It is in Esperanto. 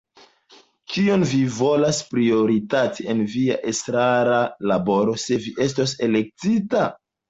Kion vi volas prioritati en via estrara laboro, se vi estos elektita?